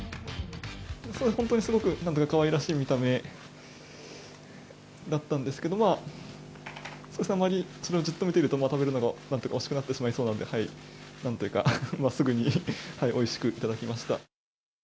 本当にすごく、なんというか、かわいらしい見た目だったんですけど、あまりそれをじっと見てると、食べるのが惜しくなってしまいそうなんで、なんというか、すぐにおいしく頂きました。